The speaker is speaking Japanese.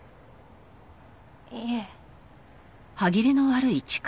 いえ。